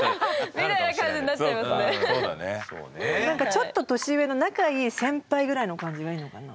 ちょっと年上の仲いい先輩ぐらいの感じがいいのかな？